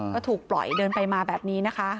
ก็ถูกปล่อยเดินไปมาแบบนี้นะคะ